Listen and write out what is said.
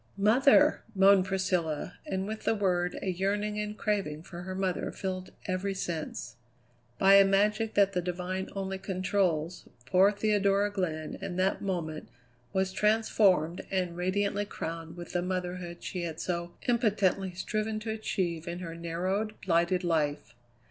"Mother!" moaned Priscilla, and with the word a yearning and craving for her mother filled every sense. By a magic that the divine only controls, poor Theodora Glenn in that moment was transformed and radiantly crowned with the motherhood she had so impotently striven to achieve in her narrowed, blighted life.